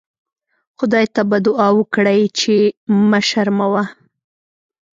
خدای ته به دوعا وکړئ چې مه شرموه.